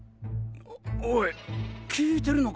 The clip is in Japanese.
おい聞いてるのか？